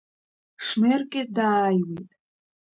Шмерке дааиуеит.